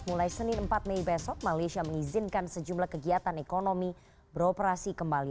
mulai senin empat mei besok malaysia mengizinkan sejumlah kegiatan ekonomi beroperasi kembali